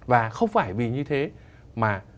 và không phải vì như thế mà